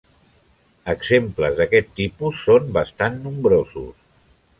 Exemples d'aquest tipus són bastant nombrosos.